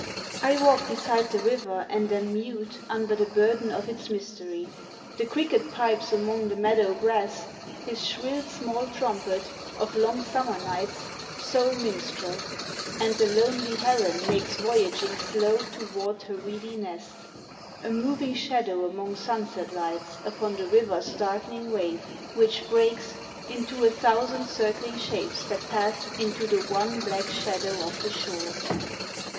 I walk beside the river, and am mute Under the burden of its mystery. The cricket pipes among the meadow grass His shrill small trumpet, of long summer nights Sole minstrel: and the lonely heron makes Voyaging slow toward her reedy nest A moving shadow among sunset lights Upon the river's darkening wave, which breaks. Into a thousand circling shapes that pass Into the one black shadow of the shore.